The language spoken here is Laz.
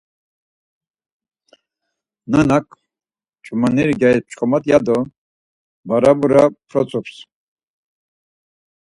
Nanak ç̌umaneri gyaris kop̆ç̆k̆omat ya do barabura p̆rotsups.